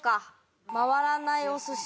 回らないお寿司。